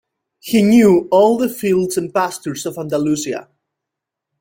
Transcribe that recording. He knew all the fields and pastures of Andalusia.